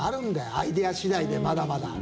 アイデア次第でまだまだ。